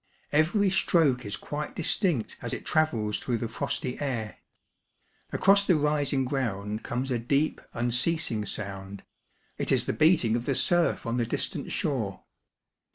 Every stroke is quite distinct as it travels through the frosty air. Across the rising ground comes a deep, unceasing sound ; it is the beating of the surf on the distant shore.